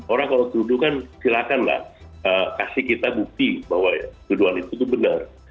orang kalau tuduh kan silakan lah kasih kita bukti bahwa tuduhan itu benar